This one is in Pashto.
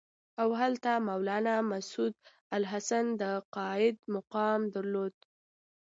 او هلته مولنا محمودالحسن د قاید مقام درلود.